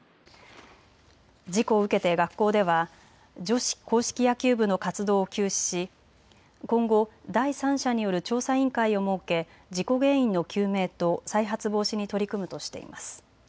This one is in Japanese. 事故を受けて学校では女子硬式野球部の活動を休止し今後、第三者による調査委員会を設け事故原因の究明と再発防止に取り組むとしています。